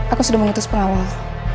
aku sudah menutup pengawal